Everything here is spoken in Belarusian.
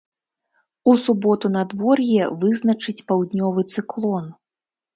У суботу надвор'е вызначыць паўднёвы цыклон.